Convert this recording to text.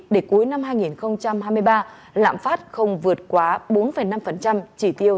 để cuối năm hai nghìn hai mươi ba lãm phát không vượt quá bốn năm chỉ tiêu do quốc hội giao